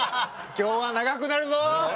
今日は長くなるよ。